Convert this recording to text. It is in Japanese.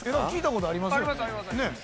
聞いたことありますよね？